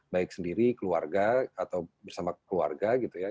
baik sendiri keluarga atau bersama keluarga gitu ya